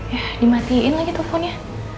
ya dimatiin lagi tuh pohonnya